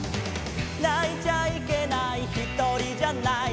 「泣いちゃいけないひとりじゃない」